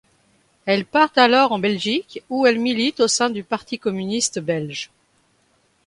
Elle part alors en Belgique, où elle milite au sein du Parti communiste belge.